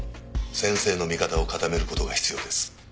先生の味方を固める事が必要です。